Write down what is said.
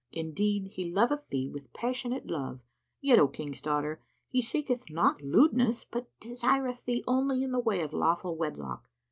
Indeed, he loveth thee with passionate love; yet, O King's daughter, he seeketh not lewdness, but desireth thee only in the way of lawful wedlock.